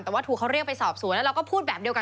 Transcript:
แต่ว่าถูกเขาเรียกไปสอบสวนแล้วเราก็พูดแบบเดียวกัน